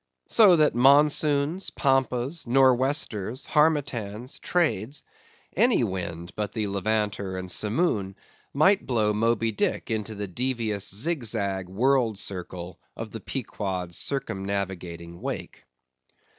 So that Monsoons, Pampas, Nor' Westers, Harmattans, Trades; any wind but the Levanter and Simoon, might blow Moby Dick into the devious zig zag world circle of the Pequod's circumnavigating wake.